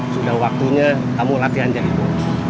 sudah waktunya kamu latihan jadi bos